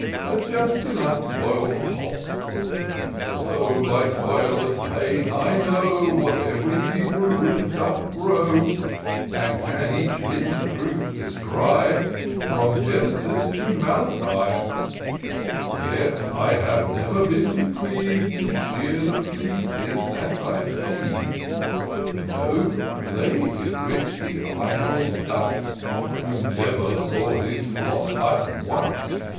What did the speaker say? But just enough to boil the pot. What though, by toil and pain, I know Where ev'ry Hebrew root doth grow, And can each hidden truth descry From Genesis to Malachi ; Yet I have never been decreed To shear the fleeces that I feed : No, they enrich the idle dunce. Who never saw his flock but once.